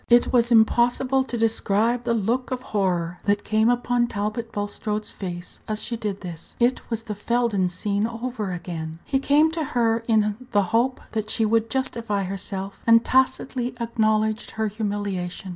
Page 151 It was impossible to describe the look of horror that came over Talbot Bulstrode's face as she did this. It was the Felden scene over again. He came to her in the hope that she would justify herself, and she tacitly acknowledged her humiliation.